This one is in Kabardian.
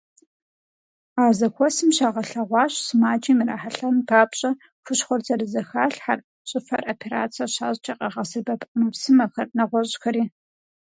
А зэхуэсым щагъэлъэгъуащ сымаджэм ирахьэлӀэн папщӀэ хущхъуэр зэрызэхалъхьэр, щӀыфэр операцэ щащӏкӏэ къагъэсэбэп ӏэмэпсымэхэр, нэгъуэщӀхэри.